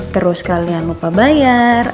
terus kalian lupa bayar